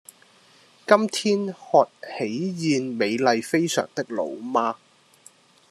今天喝喜宴美麗非常的老媽